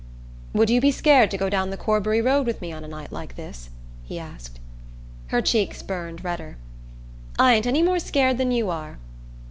"Would you be scared to go down the Corbury road with me on a night like this?" he asked. Her cheeks burned redder. "I ain't any more scared than you are!"